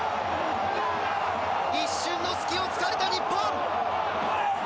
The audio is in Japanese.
一瞬の隙を突かれた日本。